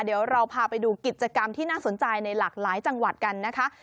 เดี๋ยวเราพาไปดูกิจกรรมที่น่าสนใจในหลากหลายจังหวัดกันนะคะ